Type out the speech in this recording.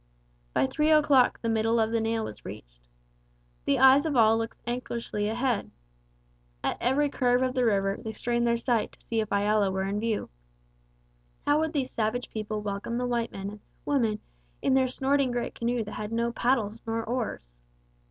By three o'clock the middle of the nail was reached. The eyes of all looked anxiously ahead. At every curve of the river they strained their sight to see if Iala were in view. How would these savage people welcome the white men and woman in their snorting great canoe that had no paddles, nor oars?